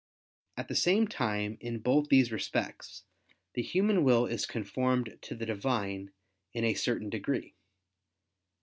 At the same time in both these respects, the human will is conformed to the Divine, in a certain degree.